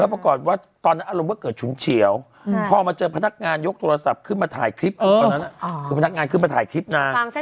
ปรากฏว่าตอนนั้นอารมณ์ก็เกิดฉุนเฉียวพอมาเจอพนักงานยกโทรศัพท์ขึ้นมาถ่ายคลิปตอนนั้นคือพนักงานขึ้นมาถ่ายคลิปนาง